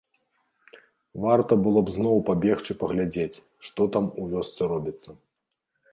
Варта было б зноў пабегчы паглядзець, што там у вёсцы робіцца.